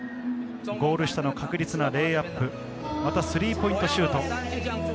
ゴール下の確実レイアップ、またスリーポイントシュート。